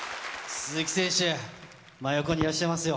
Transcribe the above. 鈴木選手、真横にいらっしゃいますよ。